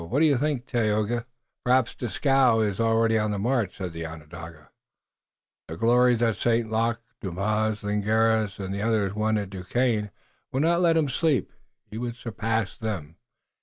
What do you think, Tayoga?" "Perhaps Dieskau is already on the march," said the Onondaga. "The glories that St. Luc, Dumas, Ligneris and the others won at Duquesne will not let him sleep. He would surpass them.